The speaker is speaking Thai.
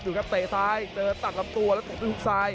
เดี๋ยวครับเตะซ้ายเจอตัดลำตัวแล้วเตะดูทุกซ้าย